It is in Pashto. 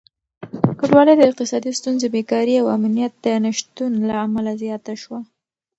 کډوالي د اقتصادي ستونزو، بېکاري او امنيت د نشتون له امله زياته شوه.